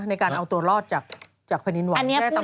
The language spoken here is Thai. ในการเอาตัวรอดจากผนินหวังได้ต่ำเขา